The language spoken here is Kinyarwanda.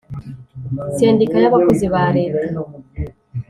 Sendika y Abakozi ba letA